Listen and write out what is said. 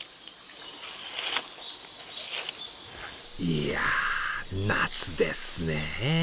いや、夏ですね。